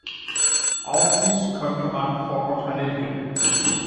Auch dies könnte man vor Ort erledigen.